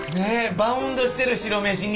バウンドしてる白飯に。